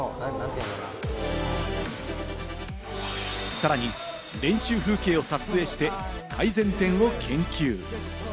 さらに練習風景を撮影して改善点を研究。